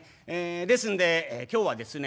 ですんで今日はですね